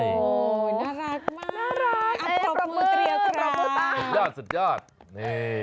อุ๊ยน่ารักมากน่ารักพร้อมมือเตรียดรักสุดยอดสุดยอด